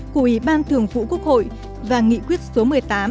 của ủy ban thường vụ quốc hội và nghị quyết số một mươi tám